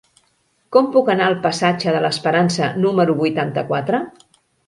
Com puc anar al passatge de l'Esperança número vuitanta-quatre?